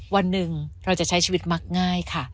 วันหนึ่งเราจะใช้ชีวิตมักง่ายค่ะ